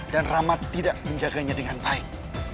dan rama tidak menjaganya dengan baik